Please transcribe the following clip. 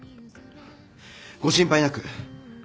ご心配なく。